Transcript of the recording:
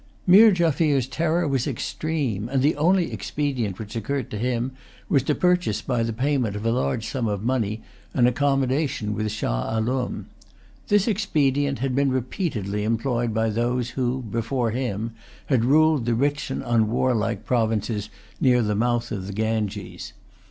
Meer Jaffier's terror was extreme; and the only expedient which occurred to him was to purchase, by the payment of a large sum of money, an accommodation with Shah Alum. This expedient had been repeatedly employed by those who, before him, had ruled the rich and unwarlike provinces near the mouth of the Ganges.